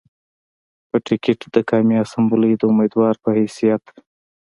پۀ ټکټ د قامي اسمبلۍ د اميدوار پۀ حېثيت